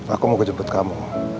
aku mau kejemput kamu